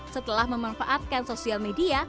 setelah memanfaatkan sosial media